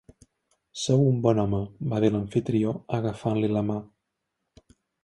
"Sou un bon home" va dir l'amfitrió, agafant-li la mà.